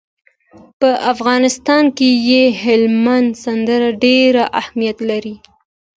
په افغانستان کې هلمند سیند ډېر اهمیت لري.